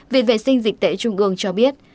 viện vệ sinh dịch tễ trung ương cho biết